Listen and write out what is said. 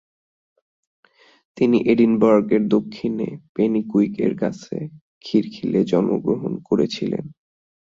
তিনি এডিনবার্গ-এর দক্ষিণে পেনিকুইক-এর কাছে কিরখিলে জন্মগ্রহণ করেছিলেন।